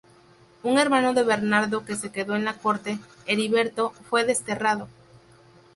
Un hermano de Bernardo que se quedó en la corte, Heriberto, fue desterrado.